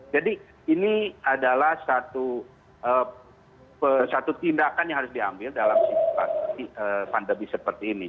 jadi ini adalah satu tindakan yang harus diambil dalam kondisi pandemi seperti ini